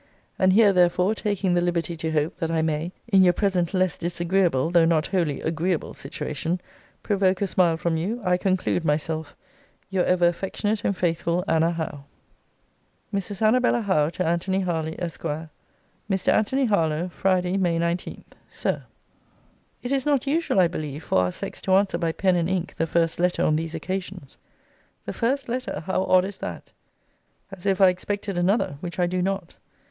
And here, therefore, taking the liberty to hope, that I may, in your present less disagreeable, though not wholly agreeable situation, provoke a smile from you, I conclude myself, Your ever affectionate and faithful, ANNA HOWE. MRS. ANNABELLA HOWE, TO ANTONY HARLY, ESQ. MR. ANTONY HARLOWE, FRIDAY, MAY 19. SIR, It is not usual I believe for our sex to answer by pen and ink the first letter on these occasions. The first letter! How odd is that! As if I expected another; which I do not.